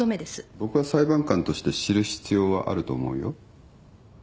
僕は裁判官として知る必要はあると思うよ。